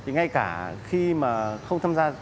ngay cả khi mà không tham gia